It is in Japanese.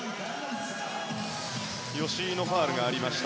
吉井のファウルがありました。